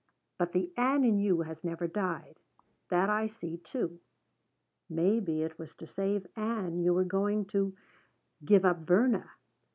But the Ann in you has never died. That I see, too. Maybe it was to save Ann you were going to give up Verna.